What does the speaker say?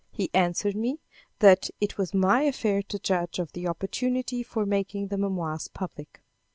He answered me, that it was my affair to judge of the opportunity for making the memoirs public.